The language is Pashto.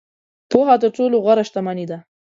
• پوهه تر ټولو غوره شتمني ده.